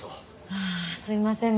ああすいませんでした。